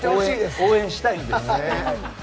応援したいんです。